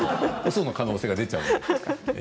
その可能性が出ちゃうので。